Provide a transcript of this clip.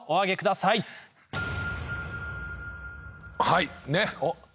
はい。